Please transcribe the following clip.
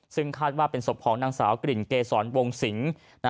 ซึ่งคาดว่าเป็นศพของนางสาวกลิ่นเกษรวงสิง